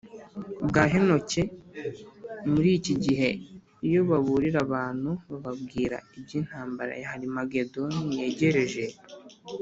bwa Henoki muri iki gihe iyo baburira abantu bababwira iby intambara ya Harimagedoni yegereje